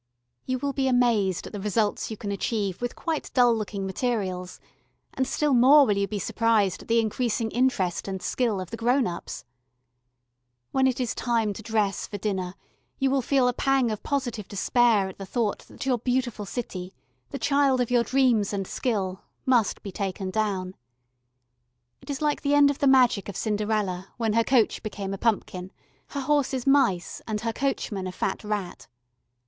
You will be amazed at the results you can achieve with quite dull looking materials, and still more will you be surprised at the increasing interest and skill of the grown ups. When it is time to dress for dinner you will feel a pang of positive despair at the thought that your beautiful city, the child of your dreams and skill, must be taken down. It is like the end of the magic of Cinderella when her coach became a pumpkin, her horses mice and her coachman a fat rat.